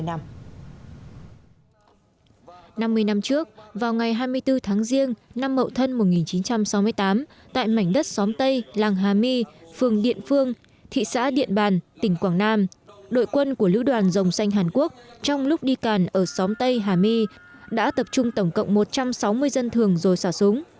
năm mươi năm trước vào ngày hai mươi bốn tháng giêng năm mậu thân một nghìn chín trăm sáu mươi tám tại mảnh đất xóm tây làng hà my phường điện phương thị xã điện bàn tỉnh quảng nam đội quân của lữ đoàn rồng xanh hàn quốc trong lúc đi càn ở xóm tây hà my đã tập trung tổng cộng một trăm sáu mươi dân thường rồi xả súng